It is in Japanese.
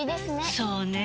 そうねぇ。